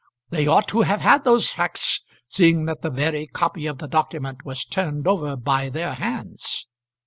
They ought to have had those facts, seeing that the very copy of the document was turned over by their hands."